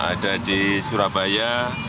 ada di surabaya